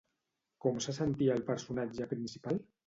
Com se sentia el personatge principal?